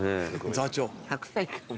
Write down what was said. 座長。